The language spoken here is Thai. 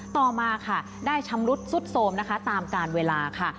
ต่อมาค่ะได้ชำรุดสุดโทรมนะคะตามการเวลาค่ะ